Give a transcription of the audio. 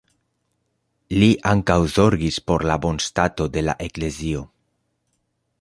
Li ankaŭ zorgis por la bonstato de la eklezio.